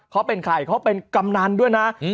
เขาเป็นใครเขาเป็นกำนันด้วยนะ